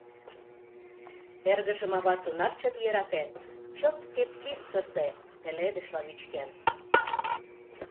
Эргыжым ава тунар чот йӧратен, чылт теплицысе пеледышла вӱчкен.